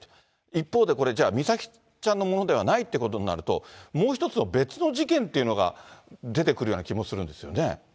一方でこれ、じゃあ、美咲ちゃんのものではないってことになると、もう一つの別の事件というのが出てくるような気もするんですよね。